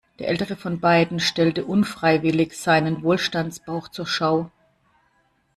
Der ältere von beiden stellte unfreiwillig seinen Wohlstandsbauch zur Schau.